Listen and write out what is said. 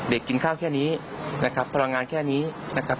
กินข้าวแค่นี้นะครับพลังงานแค่นี้นะครับ